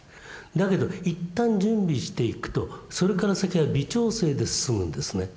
だけど一旦準備していくとそれから先は微調整で進むんですね。